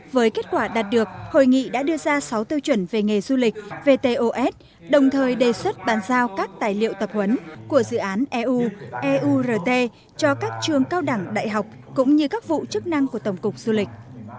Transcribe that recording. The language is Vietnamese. với kết quả đạt được hội nghị đã đưa ra sáu tiêu chuẩn về nghề du lịch vtos đồng thời đề xuất bàn giao các tài liệu tập huấn của dự án eu rt cho các trường cao đẳng đại học cũng như các vụ chức năng của tổng cục du lịch